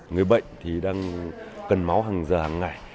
người bệnh đang cần máu hàng ngày